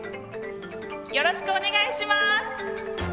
よろしくお願いします。